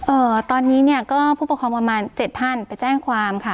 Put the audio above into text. เอ่อตอนนี้เนี่ยก็ผู้ปกครองประมาณเจ็ดท่านไปแจ้งความค่ะ